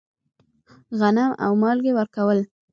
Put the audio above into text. غنم او مالګه ورکول.